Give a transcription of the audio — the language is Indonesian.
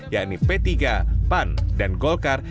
yakni p tiga pan dan golkar